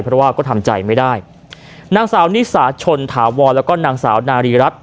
เพราะว่าก็ทำใจไม่ได้นางสาวนิสาชนถาวรแล้วก็นางสาวนารีรัฐ